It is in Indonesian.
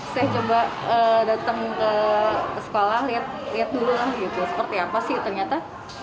saya coba datang ke sekolah lihat dulu kan gitu seperti apa sih ternyata